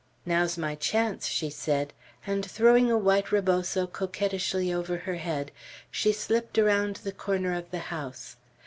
"Now's my chance!" she said; and throwing a white reboso coquettishly over her head, she slipped around the corner of the house.